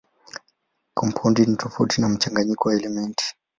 Kampaundi ni tofauti na mchanganyiko wa elementi.